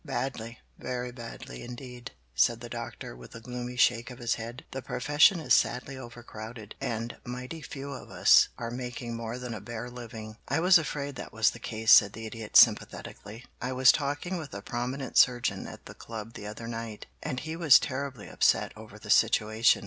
"Badly very badly, indeed," said the Doctor, with a gloomy shake of his head. "The profession is sadly overcrowded, and mighty few of us are making more than a bare living." "I was afraid that was the case," said the Idiot sympathetically. "I was talking with a prominent surgeon at the Club the other night, and he was terribly upset over the situation.